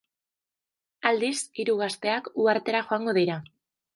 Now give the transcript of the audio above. Aldiz, hiru gazteak uhartera joango dira.